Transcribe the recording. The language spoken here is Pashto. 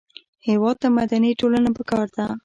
هېواد ته مدني ټولنه پکار ده